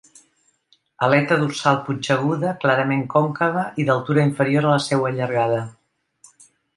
Aleta dorsal punxeguda, clarament còncava i d'altura inferior a la seua llargada.